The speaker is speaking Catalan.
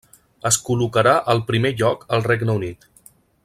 Es col·locarà al primer lloc al Regne Unit.